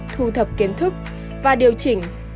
thu thập kiến thức và điều chỉnh